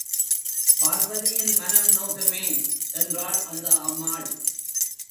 பார்வதியின் மனம் நோகுமே...! என்றாள் அந்த அம்மாள்.